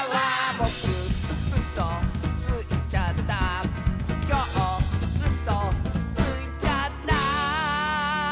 「ぼくうそついちゃった」「きょううそついちゃった」